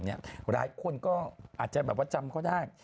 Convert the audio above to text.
หลายคนก็อาจจะจำเขาได้